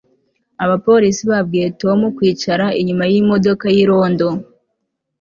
Abapolisi babwiye Tom kwicara inyuma yimodoka y irondo